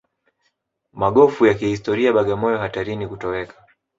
Magofu ya kihistoria Bagamoyo hatarini kutoweka